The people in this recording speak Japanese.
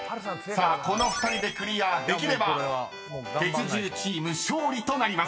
［この２人でクリアできれば月１０チーム勝利となります］